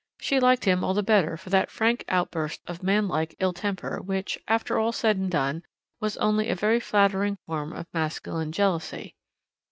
She liked him all the better for that frank outburst of manlike ill temper which, after all said and done, was only a very flattering form of masculine jealousy.